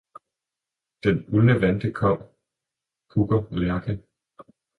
Din uldne vante ud, kom, kukker, lærke